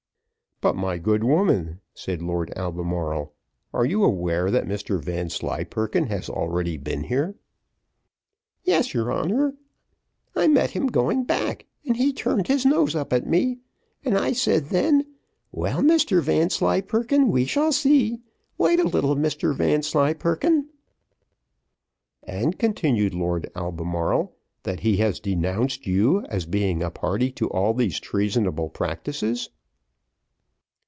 "But my good woman," said Lord Albemarle, "are you aware that Mr Vanslyperken has already been here?" "Yes, your honour, I met him going back, and he turned his nose up at me, and I then said, 'Well, well, Mr Vanslyperken, we shall see; wait a little, Mr Vanslyperken.'" "And," continued Lord Albemarle, "that he has denounced you as being a party to all these treasonable practices."